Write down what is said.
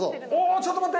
ちょっと待って！